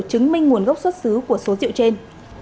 chứng minh nguồn gốc xuất xứ của số rượu trên